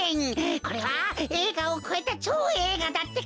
これはえいがをこえたちょうえいがだってか！